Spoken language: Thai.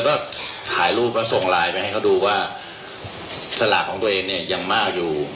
ก็ถ่ายรูปแล้วส่งไลน์ไปให้เขาดูว่าสลากของตัวเองเนี่ยยังมากอยู่